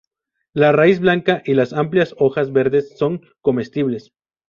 La raíz blanca y las amplias hojas verdes son comestibles.